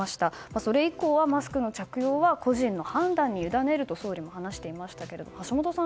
それ以降はマスクの着用は個人の判断にゆだねると総理も話していましたけど橋下さん